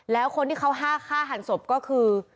แล้วคนที่เขาฆ่าฆ่าหันศพก็คือ